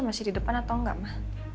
masih di depan atau enggak mah